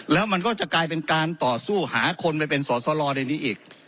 แล้วมันก็จะกลายเป็นการต่อสู้หาคนไปเป็นสอสลอในนี้อีก